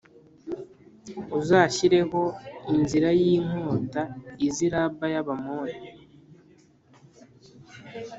Uzashyireho inzira y inkota ize i Raba y Abamoni